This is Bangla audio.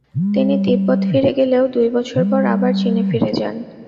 তিনি তিব্বত ফিরে গেলেও দুই বছর পর আবার চীনে ফিরে যান।